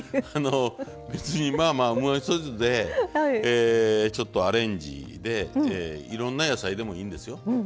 別にうまみそ酢でちょっとアレンジでいろんな野菜でもいいんですよ。